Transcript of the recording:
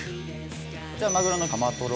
こちらマグロのカマトロ。